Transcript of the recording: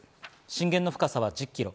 震源の深さは１０キロ。